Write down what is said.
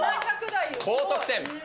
高得点。